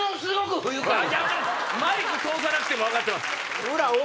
マイク通さなくても分かってます。